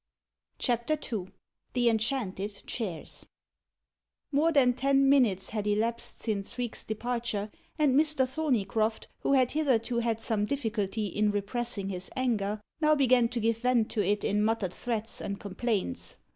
CHAPTER II THE ENCHANTED CHAIRS More than ten minutes had elapsed since Reeks' departure, and Mr. Thorneycroft, who had hitherto had some difficulty in repressing his anger, now began to give vent to it in muttered threats and complaints.